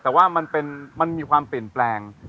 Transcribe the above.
แต่ว่ามันเป็นมันมีความเปลี่ยนแปลง